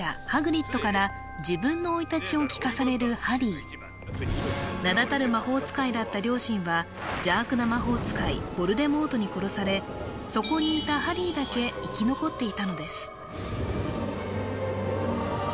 ハグリッドから自分の生い立ちを聞かされるハリー名だたる魔法使いだった両親は邪悪な魔法使いヴォルデモートに殺されそこにいたハリーだけ生き残っていたのです